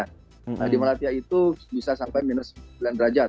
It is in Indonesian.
nah di melatih itu bisa sampai minus sembilan derajat